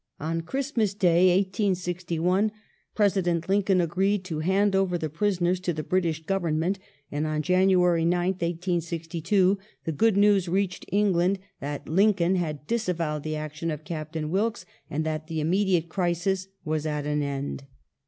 On Christmas Day, 1861, President Lincoln agreed to hand over the prisoners to the British Government, and on January 9th, 1862, the good news reached England that Lincoln had disavowed the action of Captain Wilkes and that the immediate crisis was at an end.